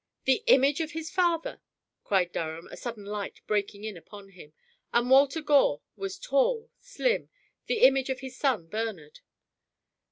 "The image of his father," cried Durham, a sudden light breaking in upon him. "And Walter Gore was tall, slim, the image of his son Bernard.